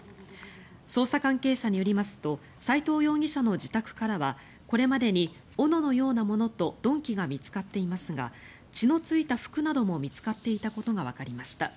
捜査関係者によりますと斎藤容疑者の自宅からはこれまでに斧のようなものと鈍器が見つかっていますが血のついた服なども見つかっていたことがわかりました。